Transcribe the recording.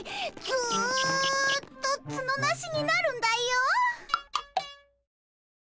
ずっとツノなしになるんだよ。